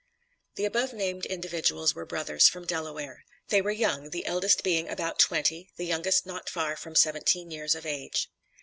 The above named individuals were brothers from Delaware. They were young; the eldest being about twenty, the youngest not far from seventeen years of age.